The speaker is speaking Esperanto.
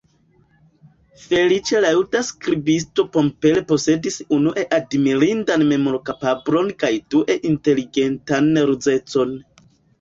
Feliĉe la juda skribisto Pemper posedis unue admirindan memorkapablon kaj due inteligentan ruzecon.